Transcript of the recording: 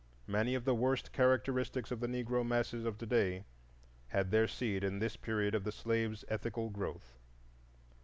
Many of the worst characteristics of the Negro masses of to day had their seed in this period of the slave's ethical growth.